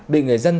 bị người dân